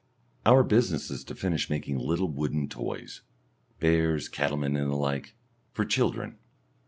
Our business is to finish making little wooden toys bears, cattle men, and the like for children.